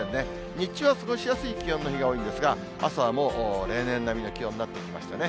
日中は過ごしやすい気温の日が多いんですが、朝はもう、例年並みの気温になってきましたね。